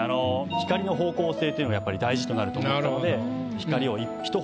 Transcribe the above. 光の方向性っていうのがやっぱり大事となると思ったので。